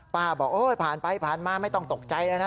ป้าบอกโอ้ยผ่านไปผ่านมาไม่ต้องตกใจนะฮะ